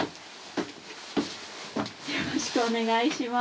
よろしくお願いします。